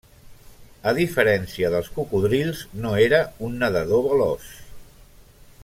A diferència dels cocodrils no era un nedador veloç.